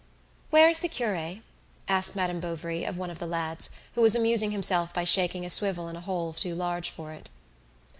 "Where is the cure?" asked Madame Bovary of one of the lads, who was amusing himself by shaking a swivel in a hole too large for it.